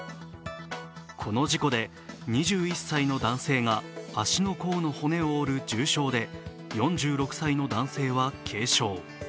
この事故で２１歳の男性が足の甲の骨を折る重傷で、４６歳の男性は軽傷。